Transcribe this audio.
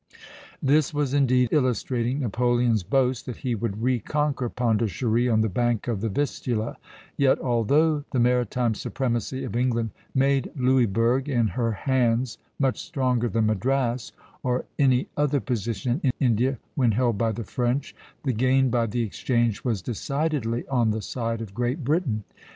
This was indeed illustrating Napoleon's boast that he would reconquer Pondicherry on the bank of the Vistula; yet, although the maritime supremacy of England made Louisburg in her hands much stronger than Madras, or any other position in India, when held by the French, the gain by the exchange was decidedly on the side of Great Britain.